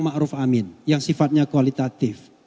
ma ruf amin yang sifatnya kualitatif